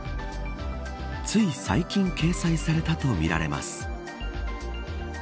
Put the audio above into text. つい最近掲載されたとみられます。